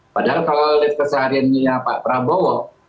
padahal kalau lift kesehariannya pak prabowo